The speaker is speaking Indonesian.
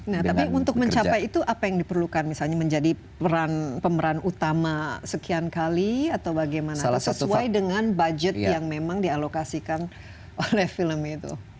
nah tapi untuk mencapai itu apa yang diperlukan misalnya menjadi pemeran utama sekian kali atau bagaimana sesuai dengan budget yang memang dialokasikan oleh film itu